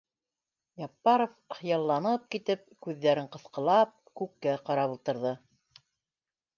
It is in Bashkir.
— Яппаров хыялланып китеп, күҙҙәрен ҡыҫҡылап, күккә ҡарап ултырҙы